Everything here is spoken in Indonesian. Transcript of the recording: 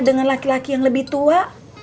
dengan laki laki yang lebih tua